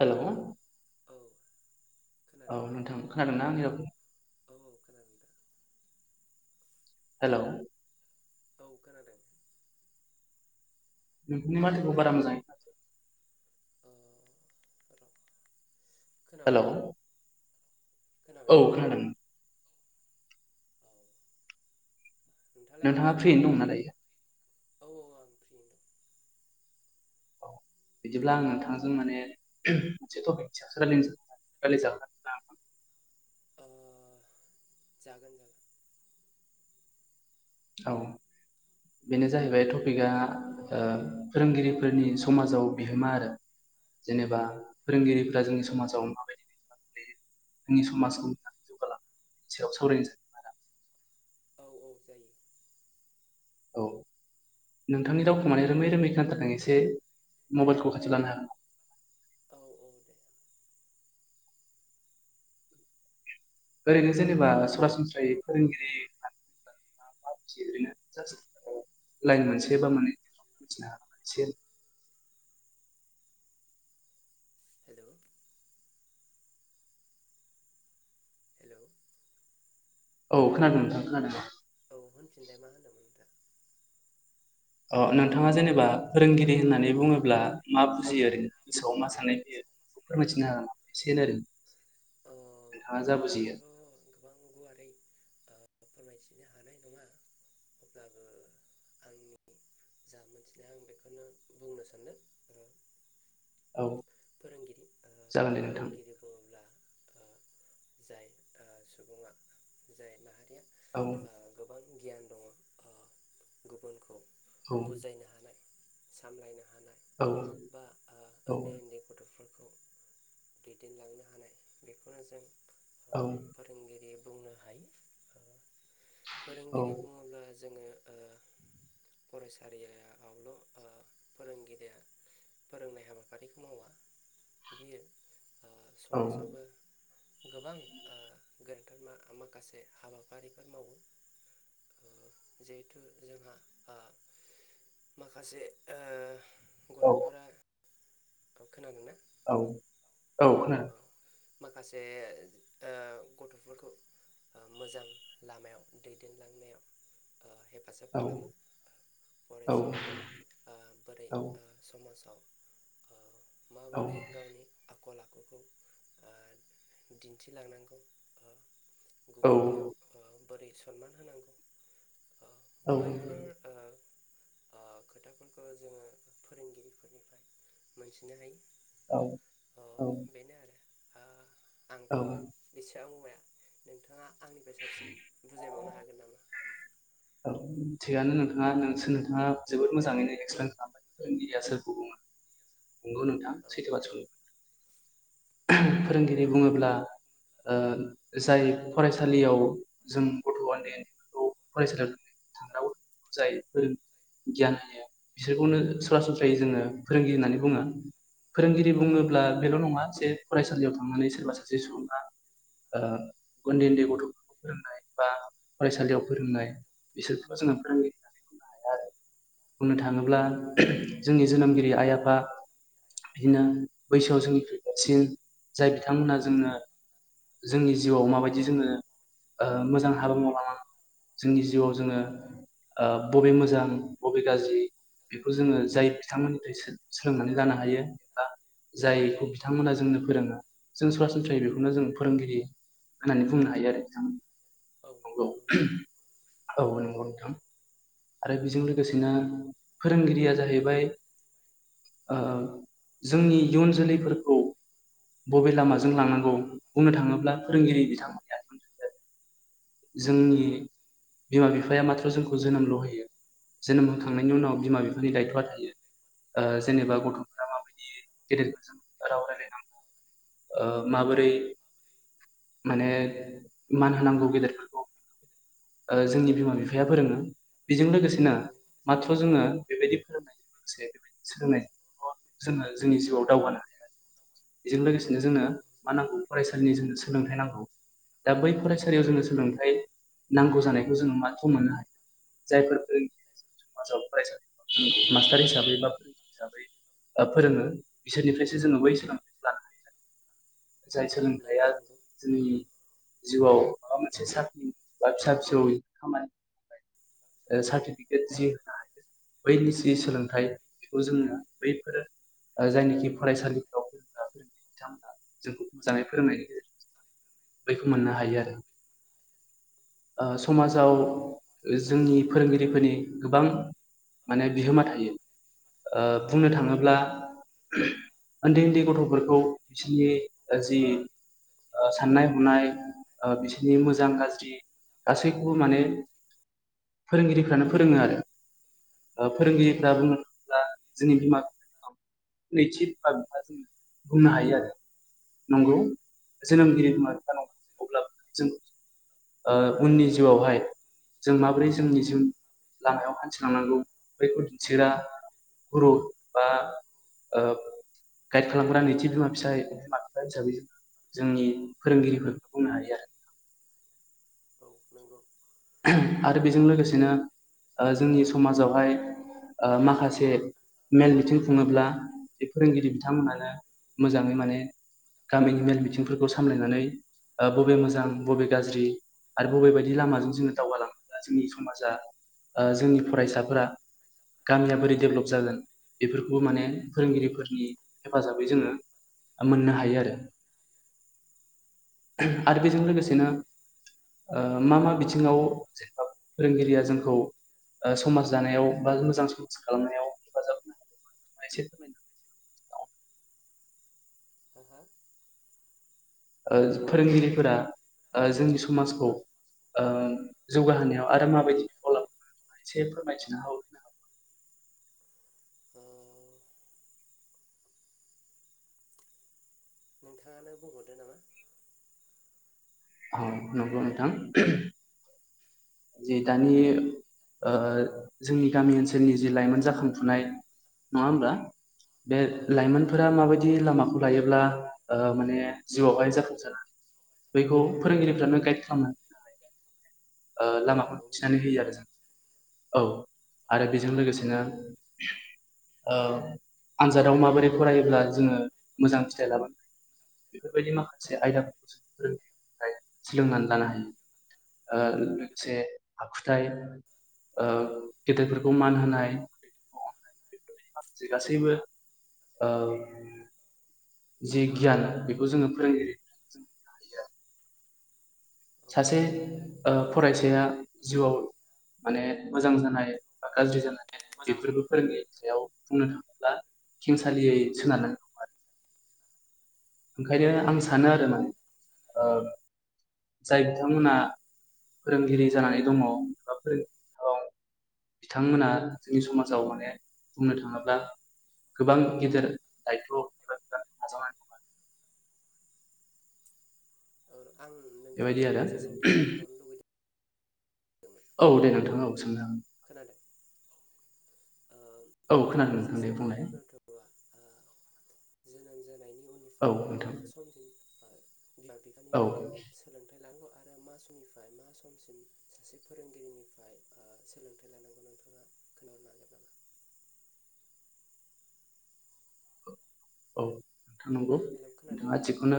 Hello औ औ खोनादोंना नोंथां खोनादोंना आंनि रावखौ औ औ खोनादों दा हेलौ औ खोनादों नोंथांनि माथोखौ बारा मोजाङै अ हेल' खोनाबाय ना औ खोनादों औ नोंथाङालाय बहा नोंथाङा दं फ्रियैनो दंना दायो औ औ आं फ्रियैनो दं [inaudible] बिदिब्ला आं नोंथांजों माने मोनसे टपिकनि सायावसो रायजलायनो सानदोंमोन रायलायजागोन आरोना [unintelligible] अ जागोन जागोन औ बेनो जाहैबाय टपिकआ ओ फोरोंगिरिफोरनि समाजाव बिहोमा आरो जेनेबा फोरोंगिरिफोरा जोंनि समाजाव माबायदि जोंनि समाजखौ [unintelligible] जौगा लांनायनि सायाव सावरायनो औ औ जायो औ नोंथांनि रावखौ माने रोमै रोमै खोनाथारदों एसे मबाइलखौ खाथियाव लानो हागोन नामा [inaudible] औ औ दे ओरैनो जेनेबा सरासनस्रायै फोरोंगिरि मा मिथियो ओरैनो जास्ट ओ लाइन मोनसे बा मानै मिथिनो हागो एसे हेलौ हेलौ औ औ खोनादों नोंथां खोनादों होनफिनलाय मा होनदोमोन नोंथां ओ नोंथाङा जेनेबा फोरोंगिरि होननानै बुङोब्ला मा बुजियो ओरै गोसोआव मा साननाय फैयो फोरमायथिना हो एसे आरो अ नोंथाङा औ जा आंथ' बुजियो [inaudible] गोबां गुवारै ओ फोरमायथिनो हानाय नङा अब्लाबो आंनि जा मोनथिनाय आं बेखौनो बुंनो सानदों आरो औ फोरोंगिरि ओ जागोन दे नोंथां फोरोंगिरि बुङोब्ला ओ जाय ओ सुबुंङा जाय माहारि औ गियान दंङ ओ गुबुनखौ औ बुजायनो हानाय सामलायना औ औ उन्दै गथ'फोरखौ दैदेनलांनो हानाय बेखौनो जों ओ औ फोरोंगिरि बुंनो हायो फोरोंगिरि बुङोब्ला जोङो ओ फरायसालिया आवल' फोरोंगिरिया फोरोंनाय हाबाफारिखौ मावा बियो ओ औ समाजावबो गोबां ओ गोनथार मा माखासे हाबाफारिफोर मावो ओ जिहेथु जोंहा आ माखासे ओ औ गथ'फोरा खोनादोंना? औ औ खोनादों। माखासे ओ गथ'फोरखौ ओ मोजां लामायाव दैदेनलांनायाव ओ हेफाजाब औ खालामो। औ फरायसाया आ बोरै औ ओ समाजाव? ओ माबोरै गावनि आ खलखौ ओ दिन्थिलांनांगौ ओ गुबुनखौ औ बोरै सनमान होनांगौ? ओ बैफोर औ ओ ओ खोथाफोरखौ जोङो फोरोंगिरिफोरनिफ्राय मोनथिनो हायो। औ अ औ। बेनो आरो ओ आंथ' औ बेसेबा बुंबाया नोंथाङा आंनिफ्राय साबसिन बुजायबावनो हागोन नामा? थिगआनो नोंथाङा नोंसोर नोंथाङा जोबोद मोजाङैनो एक्सप्लेन खालामबाय फोरोंगिरिया सोरखौ बुङो? नंगौ नोंथां औ सैथो बाद स फोरोंगिरि बुङोब्ला ओ जाय फरायसालियाव जों गथ' ओन्दै-ओन्दै खौ फरायसालियाव थांनांगौ जायो फोरों गियान होयो बिसोरखौनो सरासनस्रायै जोङो फोरोंगिरि होननानै बुङो। फोरोंगिरि औ बुङोब्ला बेल' नङा जे फरायसालियाव थांनानै सोरबा सासे सुबुङा ओ उन्दै-उन्दै गथ'फोरखौ फोरोंनाय बा फरायसालियाव फोरोंनाय बिसोरखौ जोंहा फोरोंगिरि होननानै बुंनो हाया आरो बुंनो थाङोब्ला जोंनि जोनोमगिरि आइ, आफा बिदिनो बैसोआव जोंनिख्रुइ देरसिन जाय बिथांमोनहा जोंनो जोंनि जिउआव माबायदि जोङो ओ मोजां हाबा मावलांनांगौ? जोंनि जिउआव जोङो ओ बबे मोजां बबे गाज्रि? बेखौ जोङो जाय बिथांमोननिफ्राय सो सोलोंनानै लानो हायो एबा जायखौ बिथांमोना जोंनो फोरोङो जों सरासनस्रायै बेखौनो जों फोरोंगिरि होननानै बुंनो हायो आरो बिथां नंगौ औ नंगौ नोंथां। आरो बेजों लोगोसेनो फोरोंगिरिया जाहैबाय ओ जोंनि इयुन जोलैफोरखौ बबे लामाजों लांनांगौ बुंनो थाङोब्ला फोरोंगिरि बिथांमोनहा जोंनि बिमा बिफाया माथ्र' जोंखौ जोनोमल' होयो। जोनोम होखांनायनि उनाव बिमा बिफानि दायथ'आ थायो ओ जेनेबा गथ'फोरा माबायदि गदेरखौ जों राव रायलायनांगौ ओ माबोरै माने मान होनांगौ गिदिर ओ जोंनि बिमा बिफाया फोरोङो बेजों लोगोसेनो औ माथ्र जोङो बेबायदि फोरोंनायजों लोगोसे बेबायदि सोलोंनायखौ जोङो जोंनि जिउआव दावगानो हायो आरो। बेजों लोगोसेनो जोंनो औ मा नांगौ फरायसालिनि जोंनो सोलोंथाइ नांगौ। दा बै फरायसालियाव जोङो सोलोंथाइ नांगौ जानायखौ जोङो माथ्र' मोननो हायो जायफोर समाजाव फरायसालि मास्टार हिसाबै बा फोरोंगिरि हिसाबै फोरोङो बिसोरनिफ्रायसो जोङो बै सोलोंथाइखौ लानो हायो। जाय सोलोंथाइया नंगौ नंगौ जोंनि जिउआव माबा मोनसे साख्रि बा फिसा फिसौ खामानि सार्टिफिकेट जि होनो हायो बैनि जि सोलोंथाइ बेखौ जोङो बैफोरो ओ जायनिखि फरायसालिफ्राव [unintelligible] फोरोंगिरि बिथांमोना जोंखौ मोजाङै फोरोंनायनि गेजेरजों बैखौ मोननो हायो आरो। ओ औ समाजाव नंगौ जोंनि फोरोंगिरिफोरनि गोबां माने बिहोमा थायो। ओ बुंनो थाङोब्ला ओनदै ओनदै गथ'फोरखौ बिसोरनि जि ओ साननाय हनाय ओ बिसोरनि मोजां गाज्रि गासैखौबो माने फोरोंगिरिफ्रानो फोरोङो आरो। ओ फोरोंगिरिफ्रा बुंनो थाङोब्ला जोंनि बिमा बिफानि नैथि बिमा बिफा जों बुंनो हायो आरो। नंगौ जोनोमगिरि बिमा बिफा नङा अब्लाबो जों ओ उननि जिउआवहाय जों माबोरै जोंनि जिउ लामायाव हान्थिलांनांगौ बैखौ दिन्थिग्रा गुरु बा ओ गाइद खालामग्रा नैथि बिमा फिसाय हिसाबै जोंनि फोरोंगिरिफोरखौ बुंनो हायो आरो। औ नोंगौ। आरो बेजों लोगोसेनो ओ जोंनि समाजावहाय ओ माखासे मेल मिथिं खुङोब्ला बे फोरोंगिरि बिथांमोनानो मोजाङै माने गामिनि मेल मिथिंफोरखौ सामलायनानै ओ बबे मोजां बबे गाज्रि आरो बबे बायदि लामाजों जोङो दावगालाङोब्ला जोंनि समाजा जोंनि ओ फरायसाफोरा गामिया बोरै डेभलप जागोन बेफोरखौबो माने फोरोंगिरिफोरनि हेफाजाबै जोङो मोननो हायो आरो। आरो बेजों लोगोसेनो ओ मा मा बिथिङाव जेनेबा फोरोंगिरिया जोंखौ ओ समाज दानायाव बा मोजां समाज खालामनायाव हेफाजाब होनो [unintelligible] हो हो? ओ फोरोंगिरिफोरा ओ जोंनि समाजखौ ओ जौगाहोनायाव आरो माबायदि बिफाव लाबोदों मोनसे फोरमायथिनो हाबावगोनना? औ। नोंथाङानो बुंहरदो नामा? औ नोंगौ नोंथां जे दानि ओ ओ जोंनि गामि ओनसोलनि जि लाइमोन जाखांफुनाय नङा होमब्ला? बे औ नंगौ लाइमोनफोरा माबायदि लामाखौ लायोब्ला ओ माने जिआवहाय जाफुंसार बेखौ फोरोंगिरिफ्रानो गाइड खालामनानै होयो ओ औ लामाखौ औ थिनानै नंगौ होयो आरो जों औ आरो बेजों लोगोसेनो ओ आन्जादाव माबोरै फरायोब्ला जोङो मोजां फिथाइ लाबोनो हायो। बेफोरबायदि माखासे आयदाफोरखौ जों फोरों सोलोंनानै लानो हायो। ओ लोगोसे आखुथाय। ओ गेदेरफोरखौ मान होनाय। माखासे गासैबो ओ जि गियान बेखौ जोङो फोरोंगिरि जों मोननो हायो आरो। औ सासे नंगौ ओ फरायसाया जिउआव माने मोजां जानाय बा गाज्रि जानाय बेफोरबो फोरोंगिरि सायाव बुंनो थाङोब्ला खेंसालियै सोनारनानै दं आरो। ओंखायनो आं सानो आरो माने ओ जाय बिथांमोनहा फोरोंगिरि जानानै दङा एबा फोरोंगिरि हाबा मावो बिथांमोना जोंनि समाजाव माने बुंनो थाङोब्ला गोबां गिदिर दायथ' एबा बिबान नाजावनानै दङ। ओ आं बेबायदि नोंथांनाव आरो। मोनसे सोंथि सोंहरबावनो औ दे नोंथाङा औ सोंनो हागोन। खोनालाय औ खोनादों नोंथां दे बुंनाय? उन्दै गथ'आ ओ जोनोम जानायनि औ उननिफ्राय नोंथां। बि फाननिफ्राय औ सोलोंथाइ लानांगौ आरो मा समनिफ्राय मा समसिम सासे फोरोंगिरिनिफ्राय सोलोंथाइ लानांगौ नोंथाङा खोन्थाहरनो हागोन [unintelligible] नामा? औ नंगौ हेलौ आ खोनादोंना? जिखौनो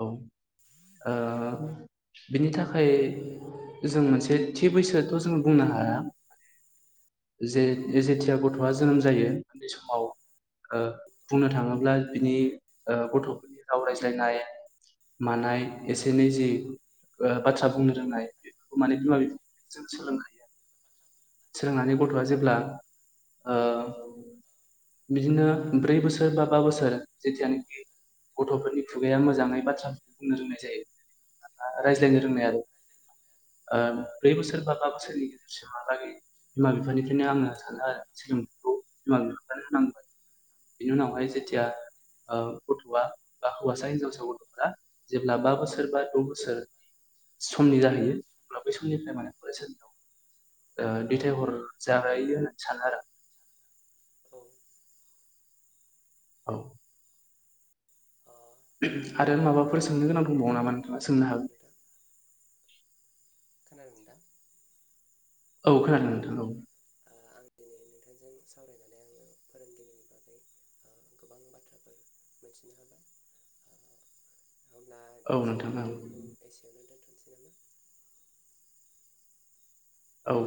औ आ बिनि थाखाय जों मोनसे थि बैसोथ' जों बुंनो हाया जे जेथिया गथ'आ जोनोम जायो उन्दै समाव ओ बुंनो थाङोब्ला बिनि ओ गथ'फोरनि राव रायज्लायनाय मानाय एसे एनै जि बाथ्रा बुंनो रोंनाय बेफोरखौ माने बिमा बिफा जों सोलोंखायो आरो। सोलोंनानै गथ'आ जेब्ला ओ बिदिनो ब्रै बोसोर बा बा बोसोर जथियानोखि गथ'फोरनि खुगाया मोजाङै बाथ्रा बुंनो रोंनाय जायो रायज्लायनो रोंनाय आरो। ओ ब्रै बोसोर बा बा बोसोरनि गेजेरसिमहालागै बिमा बिफानिफ्रायनो आङो सानो आरो सोलोंथाइखौ बिमा बिफानो होनांगोन बेनि उनावहाय औ जेथिया औ ओ गथ'आ बा हौवासा हिन्जावसा गथ'फोरा जेब्ला बा बोसोर बा द' बोसोर समनि जाहैयो अब्ला बे समनिफ्राय माने फरायसालियाव ओ दैथायहर जाहायो होननानै सानो आरो। ओ औ। आं आरो दिनै माबाफोर नोंथांजों सोंनो गोनां रायलायनानै दंबावो नामा नोंथाङा सोंनो ओ हागोन। नोंथां खोनादों दा? औ खोनादों नोंथां औ। ओ आं दिनै नोंथांजों सावरायनानै आङो फोरोंगिरिनि बागै। गोबां बाथ्राफोर मिथिनो हाबाय। होमब्ला औ नोंथां ओ। थसै नामा [unintelligible] औ